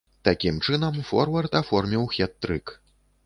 Такім чынам, форвард аформіў хэт-трык.